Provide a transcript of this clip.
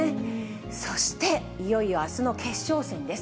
そしていよいよあすの決勝戦です。